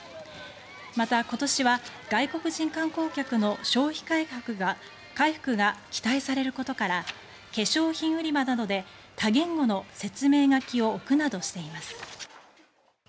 また、今年は外国人観光客の消費回復が期待されることから化粧品売り場などで多言語の説明書きを置くなどしています。